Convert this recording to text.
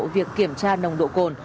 việc kiểm tra nồng độ cồn